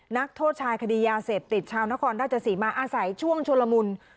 นักโทษชายคดียาเสพติดชาวนครราชสีมาอาศัยช่วงชุลมุน